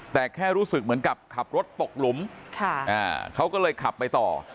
แต่แค่รู้สึกเหมือนกับขับรถตกหลุมเขาก็เลยขับไปต่อ